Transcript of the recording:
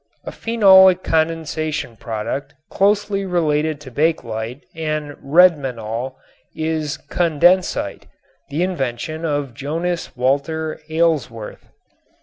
A phenolic condensation product closely related to bakelite and redmanol is condensite, the invention of Jonas Walter Aylesworth.